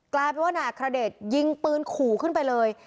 กลายเป็นว่านายอัครเดชยิงปืนขู่ขึ้นไปเลย